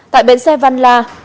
tại bến xe văn la